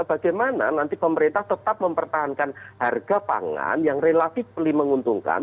bagaimana nanti pemerintah tetap mempertahankan harga pangan yang relatif menguntungkan